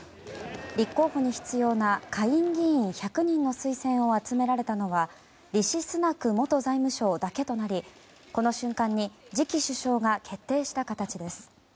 立候補に必要な下院議員１００人の推薦を集められたのはリシ・スナク元財務相だけとなりこの瞬間に次期首相が決定した形です。